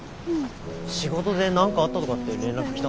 仕事で何かあったとかって連絡来た。